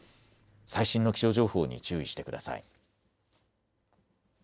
最新の気象情報に注意してください。